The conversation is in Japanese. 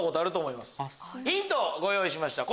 ヒントご用意しました